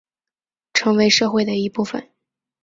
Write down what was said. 成为社会的一部分